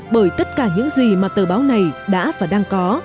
bởi tất cả những gì mà tờ báo này đã và đang có